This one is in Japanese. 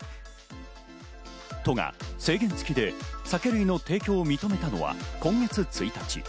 都が制限付きで酒類の提供を認めたのは今月１日。